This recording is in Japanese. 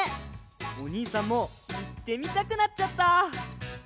おにいさんもいってみたくなっちゃった！